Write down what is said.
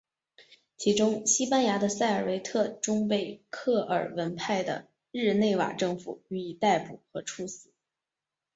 其中西班牙的塞尔维特终被克尔文派的日内瓦政府予以逮捕和处死。